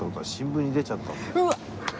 うわっ！